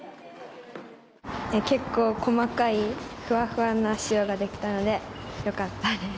結構細かいふわふわな塩ができたのでよかったです。